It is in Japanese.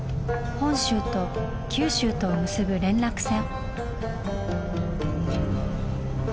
本州と九州とを結ぶ連絡船。